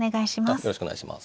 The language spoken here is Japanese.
よろしくお願いします。